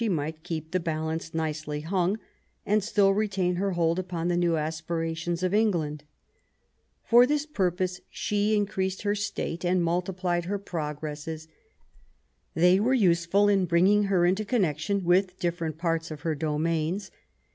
253 might keep the balance nicely hung, and still retain her hold upon the new aspirations of England. For this purpose she increased her state, and multiplied her progresses. They were useful as bringing her into connection with different parts of her domains.